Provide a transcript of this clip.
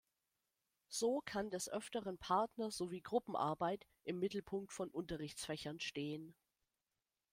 So kann des Öfteren Partner- sowie Gruppenarbeit im Mittelpunkt von Unterrichtsfächern stehen.